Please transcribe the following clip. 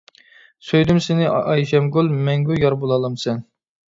سۆيدۈم سېنى ئايشەمگۈل، مەڭگۈ يار بولالامسەن.